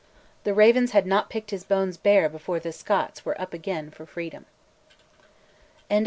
The ravens had not pyked his bones bare before the Scots were up again for freedom. CHAPTER VIII.